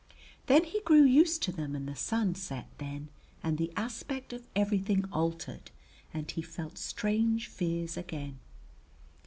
Then he grew used to them and the sun set then and the aspect of everything altered and he felt strange fears again.